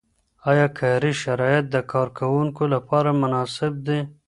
آیا کاري شرایط د کارکوونکو لپاره مناسب دي؟